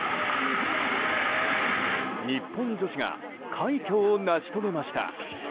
日本女子が快挙を成し遂げました！